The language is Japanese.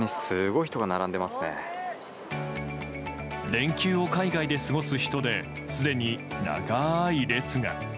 連休を海外で過ごす人ですでに長い列が。